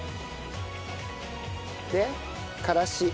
でからし。